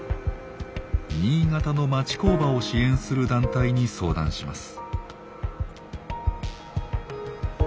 新潟の町工場を支援する団体に相談します。